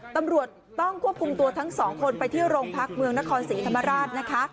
ตำรวจต้องควบคุมตัวทั้งสองคนไปที่โรงพักเมืองนครศรีธรรมราชนะคะ